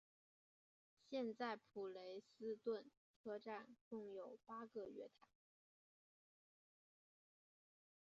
现在普雷斯顿车站共有八个月台。